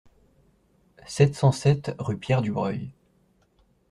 sept cent sept rue Pierre Dubreuil